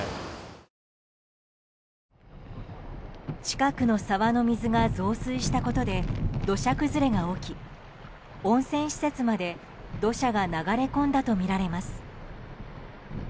近くの沢の水が増水したことで土砂崩れが起き温泉施設まで土砂が流れ込んだとみられます。